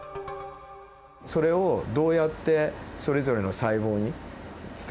それをどうやってそれぞれの細胞に伝えていくか。